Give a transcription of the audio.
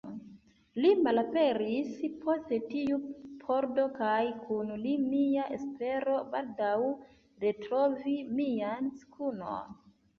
Li malaperis post tiu pordo kaj kun li mia espero, baldaŭ retrovi mian skunon.